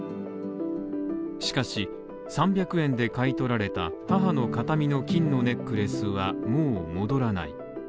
しかし、３００円で買い取られた母の形見の金のネックレスはもう戻らない。